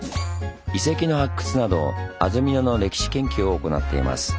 遺跡の発掘など安曇野の歴史研究を行っています。